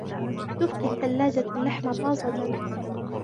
تبقي الثلاجة اللحم طازجا.